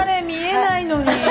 見えないのに。